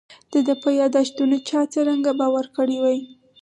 د ده په یاداشتونو چا څرنګه باور کړی.